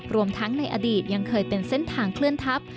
รวมทั้งในอดีตยังเคยเป็นเส้นทางเคลื่อนทัพ